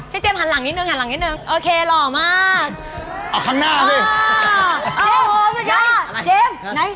พี่เจมส์หันหลังนิดนึง